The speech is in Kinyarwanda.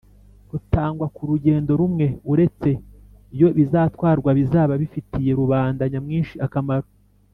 rutangwa kurugendo rumwe uretse iyo ibizatwarwa bizaba bifitiye rubanda nyamwinshi akamaro